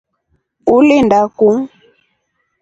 Ulinda kuu.